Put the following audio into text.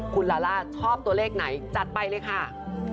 คุณลาล่าชอบตัวเลขไหนจัดไปเลยค่ะ